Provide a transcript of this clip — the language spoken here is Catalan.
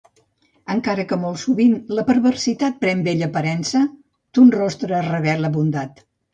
Encara que molt sovint la perversitat pren bella aparença, ton rostre revela bondat.